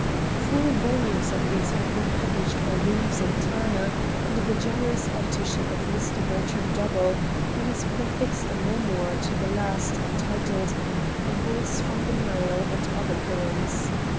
Four volumes of these have been published by Reeves and Turner, under the generous editorship of Mr. Bertram Dobell, who has prefixed a memoir to the last, entitled "A Voice from the Nile and Other Poems."